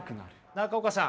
中岡さん。